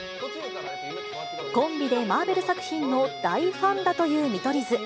コンビでマーベル作品の大ファンだという見取り図。